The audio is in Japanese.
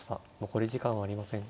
残り時間はありません。